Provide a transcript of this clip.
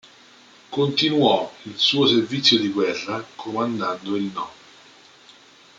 Continuò il suo servizio di guerra comandando il No.